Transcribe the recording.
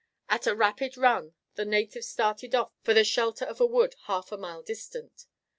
At a rapid run the natives started off for the shelter of a wood half a mile distant.